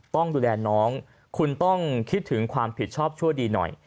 ต้องดูแลน้องคุณต้องคิดถึงความผิดชอบชั่วดีหน่อย